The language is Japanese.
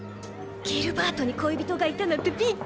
ギルバートに恋人がいたなんてびっくり！